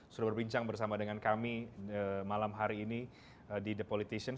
sudah berbincang bersama dengan kami malam hari ini di the politician